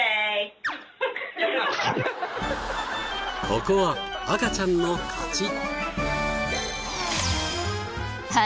ここは赤ちゃんの勝ち。